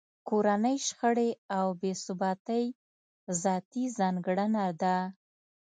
کورنۍ شخړې او بې ثباتۍ ذاتي ځانګړنه ده.